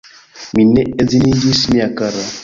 Mi ne edziniĝis, mia kara!